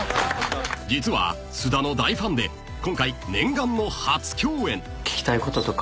［実は菅田の大ファンで今回念願の初共演］